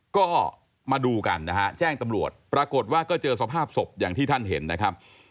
ก็มาดูกันนะฮะแจ้งตำรวจปรากฏว่าก็เจอสภาพศพอย่างที่ท่านเห็นนะครับ